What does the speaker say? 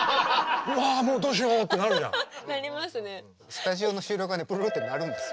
スタジオの収録はねプルルって鳴るんです。